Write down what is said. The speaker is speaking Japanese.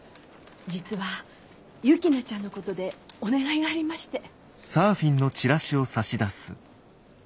実は雪菜ちゃんのことでお願いがありまして。